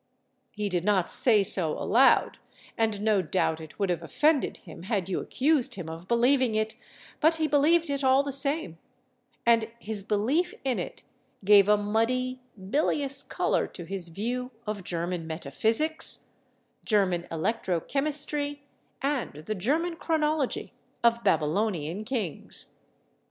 He did not say so aloud, and no doubt it would have offended him had you accused him of believing it, but he believed it all the same, and his belief in it gave a muddy, bilious color to his view of German metaphysics, German electro chemistry and the German chronology of Babylonian kings.